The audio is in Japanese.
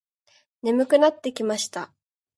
眠くなってきました。